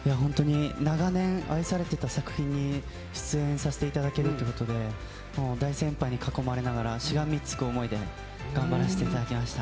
長年愛されていた作品に出演させていただけるということで大先輩に囲まれながらしがみつく思いで頑張らせていただきました。